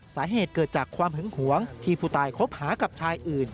สาเหตุเกิดจากความหึงหวงที่ผู้ตายคบหากับชายอื่น